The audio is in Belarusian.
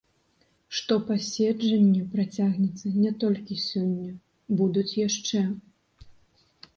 Што паседжанне працягнецца не толькі сёння, будуць яшчэ.